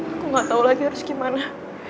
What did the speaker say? aku gak tau lagi harus gimana